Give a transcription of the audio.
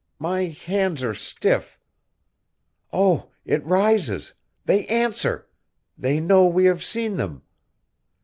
My hands are stiff. Oh! it rises! They answer! They know we have seen them.